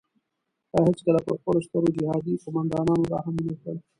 تا هیڅکله پر خپلو سترو جهادي قوماندانانو رحم ونه کړ.